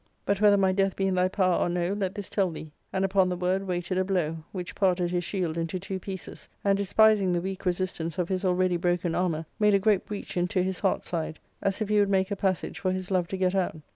But whether my death be in thy power or no, let this tell thee ;" and upon the word waited a blow, which parted his shield into two pieces, and, despising the weak resistance of his already broken armour, made a great breach into his heart side, as if he would make a passage for his love to get out at.